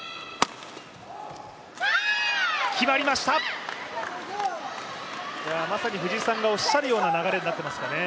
決まりました、まさに藤井さんがおっしゃるような流れになっていますかね。